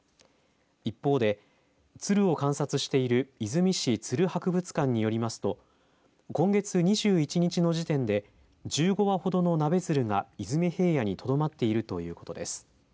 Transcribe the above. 一方で鶴を観察している出水市ツル博物館によりますと今月２１日の時点で１５羽ほどのナベヅルが出水平野にとどまっているということです。